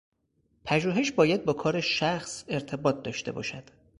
پژوهش باید با کار شخص ارتباط داشته باشد.